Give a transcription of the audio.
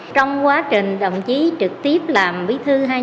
trong quá trình đồng chí trực tiếp làm bí thư hay nhận kỳ